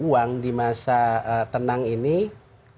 nah untuk mengantisipasi kaitannya dengan politik uang